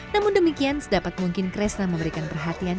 namun demikian sedapat mungkin kresna memberikan perhatian